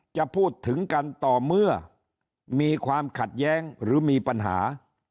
จะพูดถึงกันต่อเมื่อมีความขัดแย้งหรือมีปัญหา